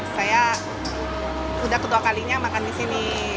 saya udah kedua kalinya makan di sini